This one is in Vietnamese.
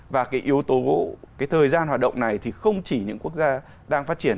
và cái yếu tố cái thời gian hoạt động này thì không chỉ những quốc gia đang phát triển